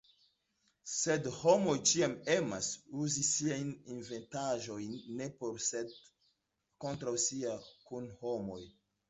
Sed homoj ĉiam emas uzi siajn inventaĵojn ne por sed kontraŭ siaj kunhomoj.